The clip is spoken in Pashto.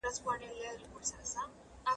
څېړنې ښيي چې ډېری ناروغان درملنه نه کوي.